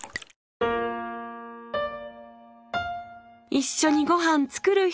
一緒にご飯作る人！